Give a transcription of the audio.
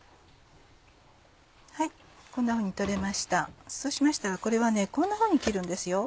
こんなふうに取れましたそうしましたらこれはこんなふうに切るんですよ